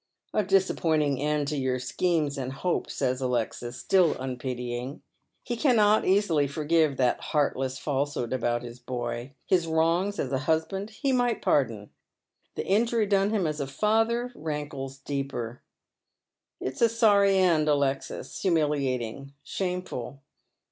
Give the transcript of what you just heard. " A disappointing end to your schemes and hopes," says Alexis, etill unpitying. He cannot easily forgive that heartless falsehood about his boy. His wrongs as a husband he might pardon. Tlie injury done liim as a father rankles deeper. " It is a sorry end, Alexis, humiliating, shameful.